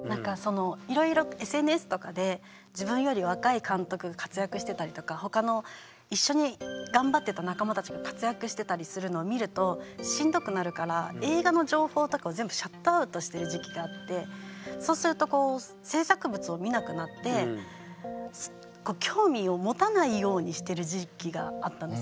いろいろＳＮＳとかで自分より若い監督が活躍してたりとか他の一緒に頑張ってた仲間たちが活躍してたりするのを見るとしんどくなるからしてる時期があってそうすると制作物を見なくなって興味を持たないようにしてる時期があったんですね。